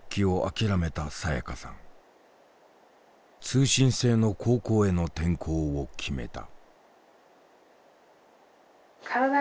通信制の高校への転校を決めた。